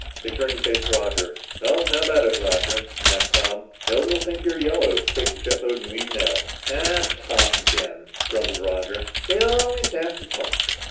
They turned to face Roger. "Well, how about it, Roger?" asked Tom. "No one will think you're yellow if you take the jet boat and leave now." "Ah talk again!" grumbled Roger. "We always have to talk.